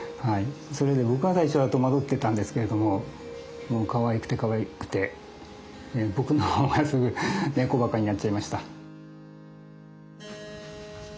それで僕は最初は戸惑ってたんですけれどももうかわいくてかわいくて僕の方が猫ばかになっちゃいました。